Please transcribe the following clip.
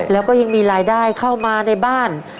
แล้วก็ยังมีรายได้เข้ามาในบ้าน